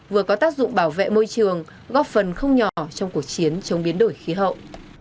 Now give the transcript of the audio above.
vừa có tác dụng bảo vệ môi trường góp phần không nhỏ trong cuộc chiến chống biến đổi khí hậu